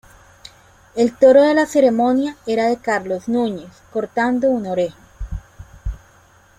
El toro de la ceremonia era de Carlos Núñez cortando una oreja.